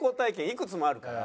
いくつもあるから。